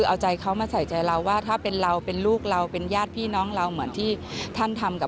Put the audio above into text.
เราก็จะทำแบบนั้นเหมือนที่ท่านทำ